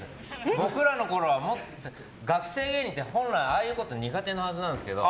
僕らのころは学生芸人って本来ああいうことが苦手なはずなんですけど。